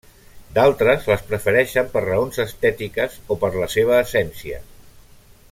D'altres, les prefereixen per raons estètiques o per la seva essència.